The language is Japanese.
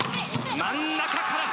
真ん中から。